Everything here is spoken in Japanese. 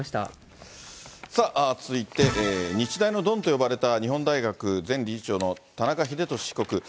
さあ、続いて、日大のドンと呼ばれた日本大学前理事長の田中英壽被告。